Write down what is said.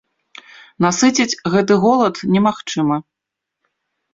Насыціць гэты голад немагчыма.